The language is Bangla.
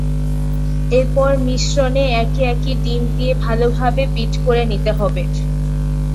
এরপর মিশ্রণে একে একে ডিম দিয়ে ভালোভাবে বিট করে নিতে হবে।